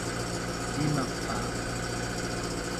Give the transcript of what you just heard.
Cimaq qa?